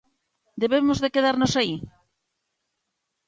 ¿Debemos de quedarnos aí?